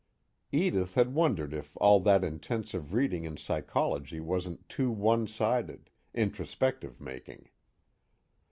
Edith had wondered if all that intensive reading in psychology wasn't too one sided, introspective making.